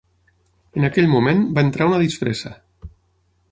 En aquell moment va entrar una disfressa.